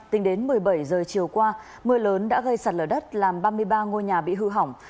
tính đến một mươi bảy giờ chiều qua mưa lớn đã gây sạt lở đất làm ba mươi ba ngôi nhà bị hư hỏng